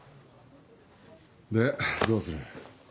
でどうする？